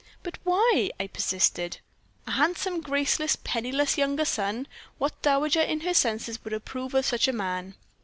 "'But why?' I persisted. "'A handsome, graceless, penniless younger son? What dowager in her senses would approve of such a man?'